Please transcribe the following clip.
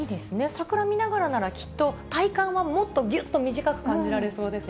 桜見ながらなら、きっと体感はもっとぎゅっと短く感じられそうですね。